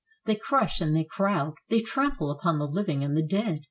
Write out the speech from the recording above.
They crush and they crowd; they trample upon the Hving and the dead.